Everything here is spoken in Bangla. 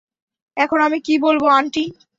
এখন আমি কি বলবো আন্টি?